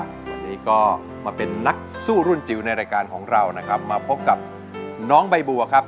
วันนี้ก็มาเป็นนักสู้รุ่นจิ๋วในรายการของเรานะครับมาพบกับน้องใบบัวครับ